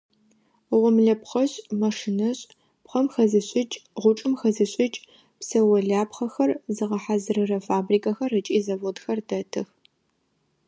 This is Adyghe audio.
Гъомлэпхъэшӏ, машинэшӏ, пхъэм хэзышӏыкӏ, гъучӏым хэзышӏыкӏ, псэолъапхъэхэр зыгъэхьазырырэ фабрикхэр ыкӏи заводхэр дэтых.